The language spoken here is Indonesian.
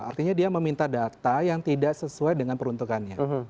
artinya dia meminta data yang tidak sesuai dengan peruntukannya